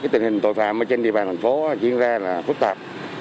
tình hình tội phạm trên địa bàn thành phố diễn ra là phức tạp